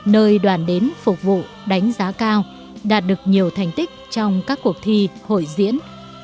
nơi đoàn đến phục vụ đánh giá cao đạt được nhiều thành tích trong các cuộc thi hội diễn